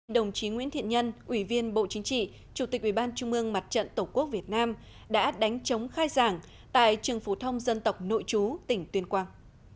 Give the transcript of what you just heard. đồng chí nguyễn thiện nhân ủy viên bộ chính trị chủ tịch ủy ban trung mương mặt trận tổ quốc việt nam đã đánh chống khai giảng tại trường phổ thông dân tộc nội chú tỉnh tuyên quang